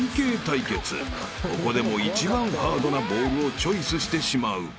［ここでも一番ハードなボールをチョイスしてしまう］